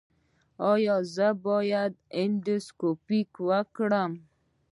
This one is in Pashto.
ایا زه باید اندوسکوپي وکړم؟